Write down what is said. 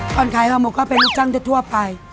ก่อนขายฮอลโมก็เป็นลูกจังทั้งทั่วไป